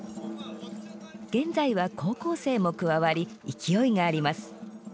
現在は高校生も加わり勢いがあります。